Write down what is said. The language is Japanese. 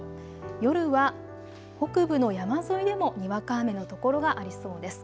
夜は北部の山沿いでもにわか雨の所がありそうです。